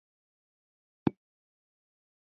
د ورموت اډر مو ورکړ او څښلو ته چمتو شول.